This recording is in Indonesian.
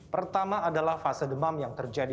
pertama adalah fase demam yang terjadi